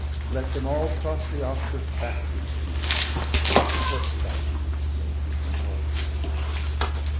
Let them all cross the Oxus back in peace! What should I do with slaying any more?